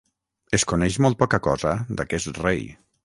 Es coneix molt poca cosa d'aquest rei.